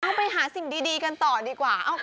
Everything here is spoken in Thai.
เอาไปหาสิ่งดีกันต่อดีกว่า